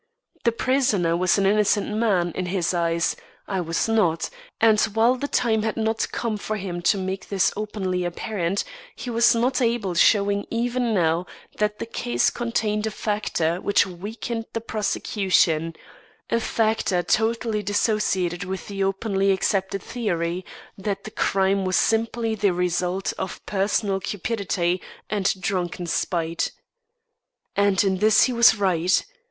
The prisoner was an innocent man, in his eyes. I was not; and, while the time had not come for him to make this openly apparent, he was not above showing even now that the case contained a factor which weakened the prosecution a factor totally dissociated with the openly accepted theory that the crime was simply the result of personal cupidity and drunken spite. And in this he was right.